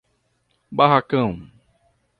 Barracão